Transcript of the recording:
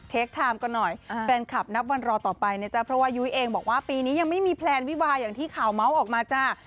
ไทม์กันหน่อยแฟนคลับนับวันรอต่อไปนะจ๊ะเพราะว่ายุ้ยเองบอกว่าปีนี้ยังไม่มีแพลนวิวาอย่างที่ข่าวเมาส์ออกมาจ้า